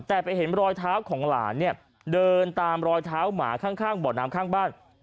แต่ไปเห็นรอยเท้าของหลานเนี่ยเดินตามรอยเท้าหมาข้างบ่อน้ำข้างบ้าน